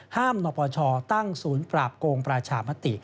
นปชตั้งศูนย์ปราบโกงประชามติ